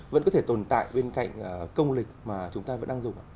vẫn có thể tồn tại bên cạnh công lịch mà chúng ta vẫn đang dùng